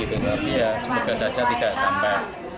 tapi ya semoga saja tidak sampai